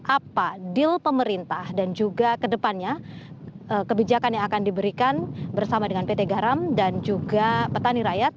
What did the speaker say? apa deal pemerintah dan juga kedepannya kebijakan yang akan diberikan bersama dengan pt garam dan juga petani rakyat